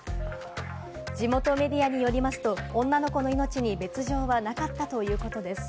地元メディアによりますと、女の子の命に別条はなかったということです。